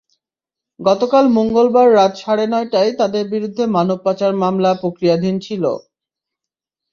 গতকাল মঙ্গলবার রাত সাড়ে নয়টায় তাঁদের বিরুদ্ধে মানব পাচার মামলা প্রক্রিয়াধীন ছিল।